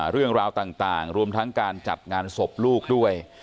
เรื่องราวต่างรวมทั้งการจัดงานศพลูกด้วย